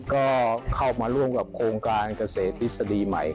ก็เข้ามาร่วมกับโครงการเกษตรทฤษฎีใหม่